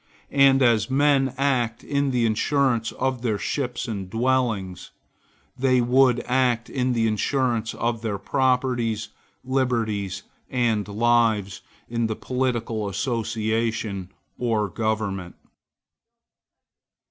And as men act in the insurance of their ships and dwellings, they would act in the insurance of their properties, liberties and lives, in the political association, or government.